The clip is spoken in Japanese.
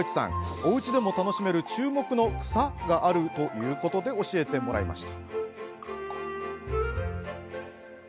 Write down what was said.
おうちでも楽しめる注目の草があるということで教えてもらいました。